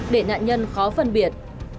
để nạn nhân khó phân biệt